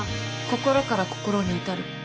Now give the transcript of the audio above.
心から心に至る